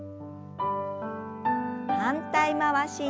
反対回しに。